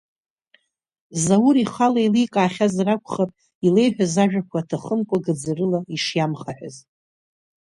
Заур ихала еиликаахьазар акәхап, илеиҳәаз ажәақәа аҭахымкәа гаӡарыла ишиамхаҳәаз.